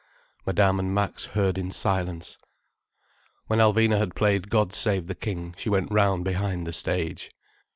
Madame and Max heard in silence. When Alvina had played God Save the King she went round behind the stage.